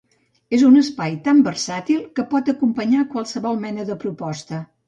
És un espai tan versàtil que pot acompanyar qualsevol mena de proposta.